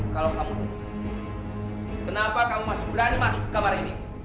kalau kamu dukung kenapa kamu masih berani masuk ke kamar ini